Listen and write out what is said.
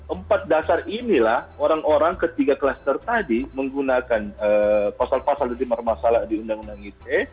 empat dasar inilah orang orang ketiga klaster tadi menggunakan pasal pasal jadi bermasalah di undang undang ite